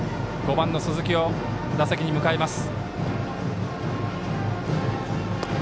５番の鈴木を打席に迎えます。